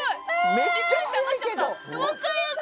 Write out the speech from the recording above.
めっちゃ速いけど。